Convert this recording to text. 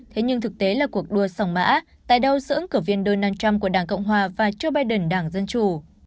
thế nhưng thực tế là cuộc đua sòng mã tại đâu giữa ứng cử viên donald trump của đảng cộng hòa và joe biden đảng dân chủ